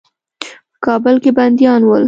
په کابل کې بندیان ول.